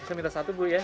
bisa minta satu bu ya